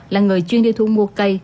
là người chuyên đi thu mua cây